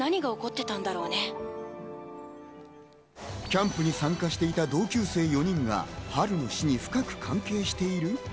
キャンプに参加していた同級生４人はハルの死に深く関係している。